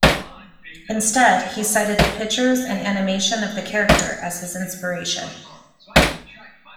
Instead, he cited the pictures and animation of the character as his inspiration.